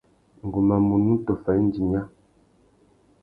Ngu má munú tôffa indi nya.